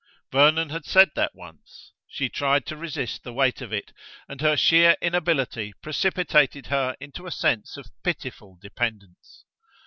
Vernon had said that once. She tried to resist the weight of it, and her sheer inability precipitated her into a sense of pitiful dependence.